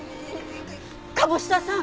鴨志田さん